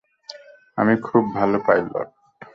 আমি খুব ভালো পাইলট।